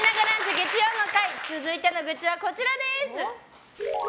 月曜の会続いての愚痴は、こちらです。